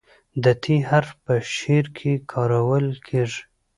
د "ت" حرف په شعر کې کارول کیږي.